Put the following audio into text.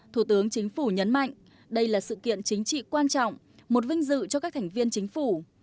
thủ tướng chính phủ nhấn mạnh đây là sự kiện chính trị quan trọng một vinh dự cho các thành viên chính phủ